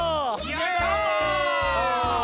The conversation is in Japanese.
やった！